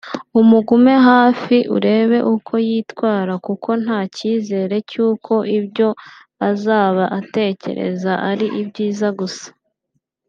umugume hafi urebe uko yitwara kuko nta cyizere cy’uko ibyo azaba atekereza ari ibyiza gusa